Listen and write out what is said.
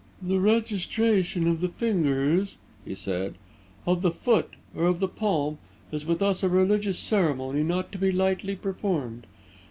"The registration of the fingers," he said, "of the foot or of the palm, is with us a religious ceremony, not to be lightly performed.